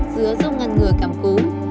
dứa giúp ngăn ngừa cảm cú